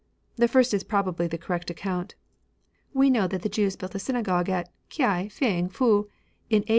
The first is probably the correct account. We know that the Jews built a syna gogue at K'ai feng Fu in a.